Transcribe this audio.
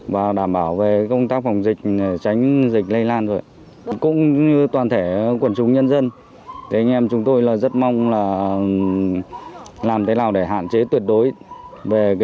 và đảm bảo về công tác phòng ngừa ở đây thì anh em cũng đã chốt được